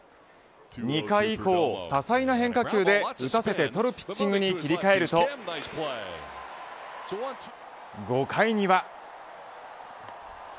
２回以降、多彩な変化球で打たせて取るピッチングに切り替えると５回には。